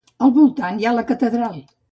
Al voltant hi ha la catedral.